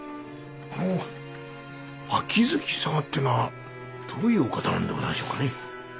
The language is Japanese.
あの秋月様ってのはどういうお方なんでございましょうかね？